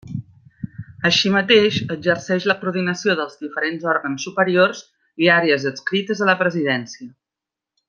Així mateix, exerceix la coordinació dels diferents òrgans superiors i àrees adscrites a la Presidència.